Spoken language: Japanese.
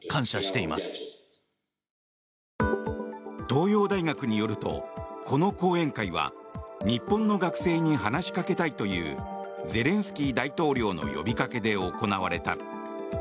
東洋大学によるとこの講演会は日本の学生に話しかけたいというゼレンスキー大統領の呼びかけで行われた。